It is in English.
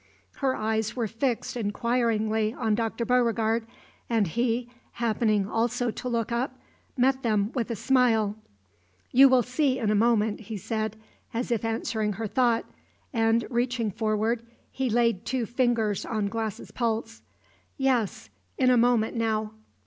Her eyes were fixed inquiringly on Dr. Beauregard, and he, happening also to look up, met them with a smile. "You will see in a moment," he said, as if answering her thought, and, reaching forward, he laid two fingers on Glass's pulse. "Yes, in a moment now."